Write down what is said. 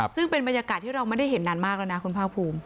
ซึ่งเป็นบรรยากาศที่เราไม่ได้เห็นนานมากแล้วนะคุณภาคภูมิ